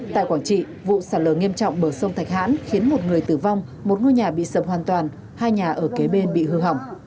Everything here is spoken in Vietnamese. tại quảng trị vụ sạt lở nghiêm trọng bờ sông thạch hãn khiến một người tử vong một ngôi nhà bị sập hoàn toàn hai nhà ở kế bên bị hư hỏng